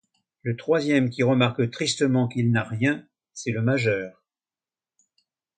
Le troisième, qui remarque tristement qu’il n’a rien, c’est le majeur.